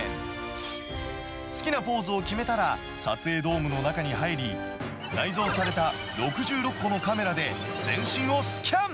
好きなポーズを決めたら、撮影ドームの中に入り、内蔵された６６個のカメラで全身をスキャン。